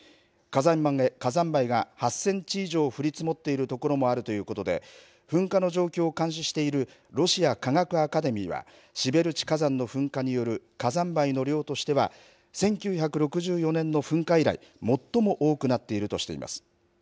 火山灰が８センチ以上降り積もっている所もあるということで、噴火の状況を監視しているロシア科学アカデミーは、シベルチ火山の噴火による火山灰の量としては、１９６４年の噴火以来、最も多くなっているとしています。